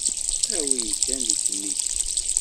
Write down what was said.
A wi iddan deg imi-k!